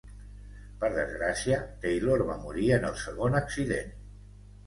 Per desgràcia, Taylor va morir en el segon accident.